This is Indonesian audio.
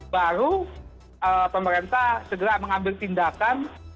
baru pemerintah segera mengambil tindakan